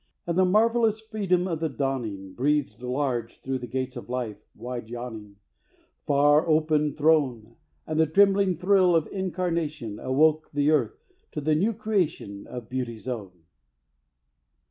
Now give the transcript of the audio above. And the marvelous freedom of the dawning Breathed large through the gates of life, Wide yawning, Far open thrown; And the trembling thrill of incarnation Awoke the earth to the new creation Of Beauty's own.